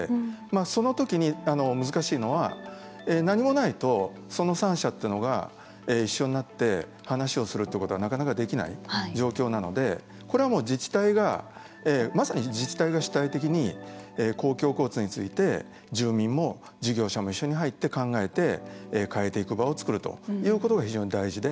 そのときに難しいのは何もないとその３者というのが一緒になって話をすることはなかなかできない状況なのでこれは自治体がまさに自治体が主体的に公共交通について住民も事業者も一緒に入って考えて、変えていく場を作るということが非常に大事で。